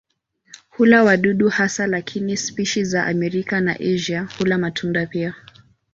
Hula wadudu hasa lakini spishi za Amerika na Asia hula matunda pia.